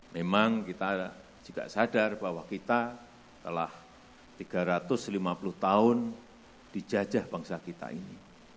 memang kita juga sadar bahwa kita telah tiga ratus lima puluh tahun dijajah bangsa kita ini